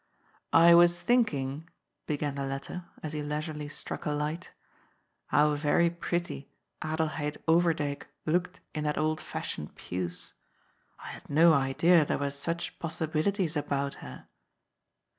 " I was thinking," began the latter, as he leisurely struck a light, " how very pretty Adelheid Overdyk looked in that old fashioned puce. I had no idea there were such possi bilities about her."